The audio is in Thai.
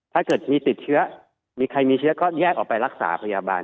ถ้าเกิดมีติดเชื้อมีใครมีเชื้อก็แยกออกไปรักษาพยาบาล